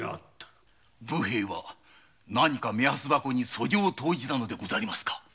武兵衛は何か目安箱に訴状を投じたのでござりますか？